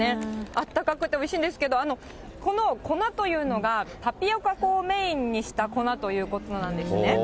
あったかくておいしいんですけれども、この粉というのがタピオカ粉をメインにした粉ということなんですね。